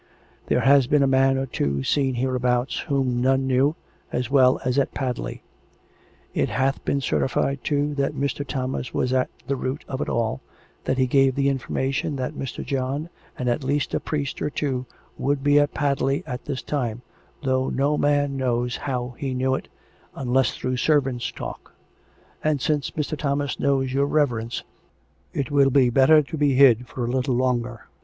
There has been a man or two seen hereabouts whom none knew, as well as at Padley. It hath been certified, too, that Mr. Thomas was at the root of it all, that he gave the information that Mr. John and at least a priest or two would be at Padley at that time, though no man knows how he knew it, unless through servants' talk; and since Mr. Thomas knows your reverence, it will be better to be hid for a little longer.